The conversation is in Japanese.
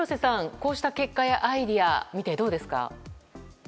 こうした結果やアイデアを見て、どうですか？